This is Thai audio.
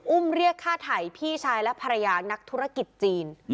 เรียกฆ่าไถ่พี่ชายและภรรยานักธุรกิจจีน